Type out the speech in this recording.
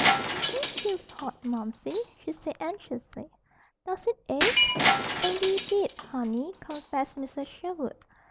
"Your head feels hot, Momsey," she said anxiously. "Does it ache?" "A wee bit, honey," confessed Mrs. Sherwood.